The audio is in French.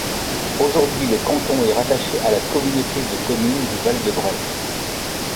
Aujourd'hui, le canton est rattaché à la communauté de communes du Val de Braye.